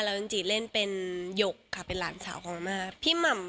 แล้วยังจิเล่นเป็นหยกค่ะเป็นหลานสาวของอาม่า